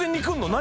何？